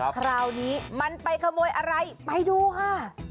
คราวนี้มันไปขโมยอะไรไปดูค่ะ